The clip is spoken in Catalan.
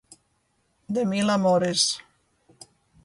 De mil amores.